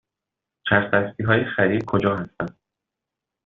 چرخ دستی های خرید کجا هستند؟